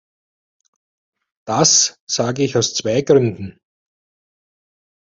Das sage ich aus zwei Gründen.